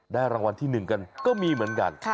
รางวัลที่๑กันก็มีเหมือนกัน